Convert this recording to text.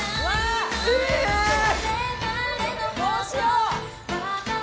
どうしよう。